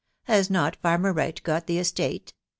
Has not farmer Wright got the estate